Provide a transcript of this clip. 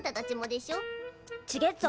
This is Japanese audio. ちげっぞ。